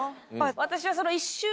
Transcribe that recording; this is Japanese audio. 私は。